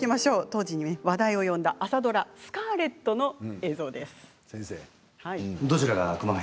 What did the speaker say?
当時話題を呼んだ朝ドラ「スカーレット」の映像です。